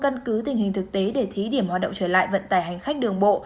căn cứ tình hình thực tế để thí điểm hoạt động trở lại vận tải hành khách đường bộ